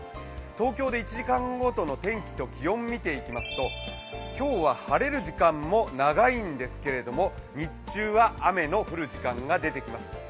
東京で１時間ごとの天気と気温、見ていきますと、今日は晴れる時間も長いんですけれども、日中は雨の降る時間が出てきます。